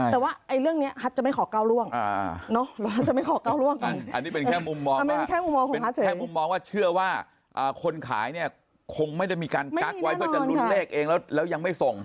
แต่ว่าเรื่องนี้ฮัตจะไม่ขอก้าวร่วงอันนี้เป็นแค่มุมมองว่าเชื่อว่าคนขายเนี่ยคงไม่ได้มีการกักไว้เพื่อจะลุ้นเลขเองแล้วยังไม่ส่ง